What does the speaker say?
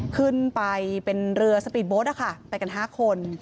ขึ้นไปเป็นเรือสปีดโบ๊ทไปกัน๕คน